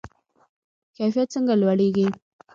کیفیت څنګه لوړیږي؟